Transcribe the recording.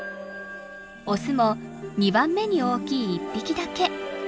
オスも２番目に大きい一匹だけ。